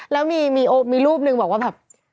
แล้วมีรูปหนึ่งบอกว่าแบบ